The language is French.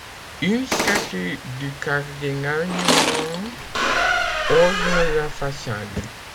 Une statue du cardinal Newman orne la façade.